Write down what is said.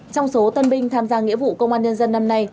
trong số tân binh tham gia nghĩa vụ công an nhân dân năm nay